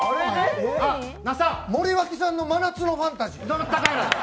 森脇さんの「真夏のファンタジー」